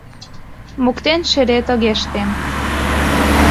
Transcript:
Моктен шерет огеш тем.